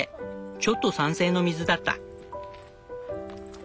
ちょっと酸性の水だった。